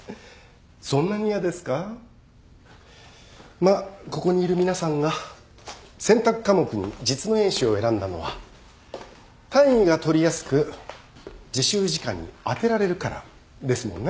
まあここにいる皆さんが選択科目に実務演習を選んだのは単位が取りやすく自習時間に充てられるからですもんね。